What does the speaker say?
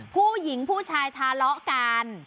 ผู้หญิงผู้ชายทะเลาะกัน